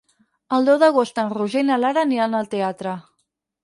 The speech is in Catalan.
El deu d'agost en Roger i na Lara aniran al teatre.